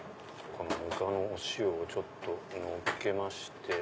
ぬかのお塩をちょっとのっけまして。